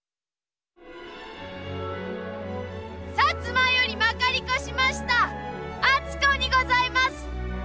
摩よりまかり越しました篤子にございます。